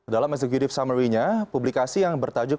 dalam executive summary nya publikasi yang bertajuk